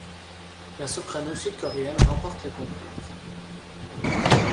La soprano sud-coréenne remporte le concours.